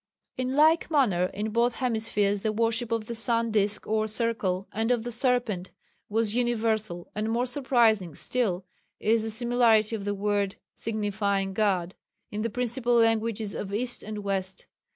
In like manner in both hemispheres the worship of the sun disk or circle, and of the serpent, was universal, and more surprising still is the similarity of the word signifying "God" in the principal languages of east and west.